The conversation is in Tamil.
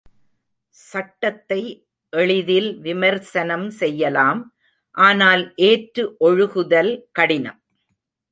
சட்டத்தை எளிதில் விமர்சனம் செய்யலாம் ஆனால் ஏற்று ஒழுகுதல் கடினம்.